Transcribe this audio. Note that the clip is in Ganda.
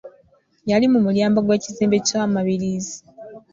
Yali mu mulyango gw’ekizimbe kya mabirizi.